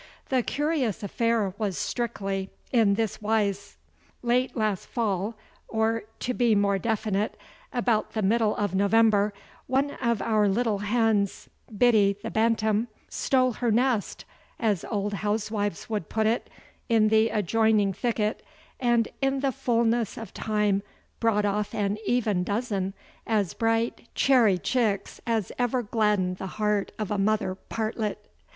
The curious affair was strictly in this wise: Late last fall, or, to be more definite, about the middle of November, one of our little hens, "Biddy the Bantam," stole her nest, as old housewives would put it, in the adjoining thicket, and in the fullness of time brought off an even dozen as bright, cherry chicks as ever gladdened the heart of a mother partlet.